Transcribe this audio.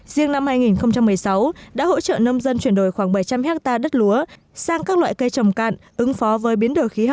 riêng năm hai nghìn một mươi sáu đã hỗ trợ nông dân chuyển đổi khoảng bảy trăm linh hectare đất lúa sang các loại cây trồng cạn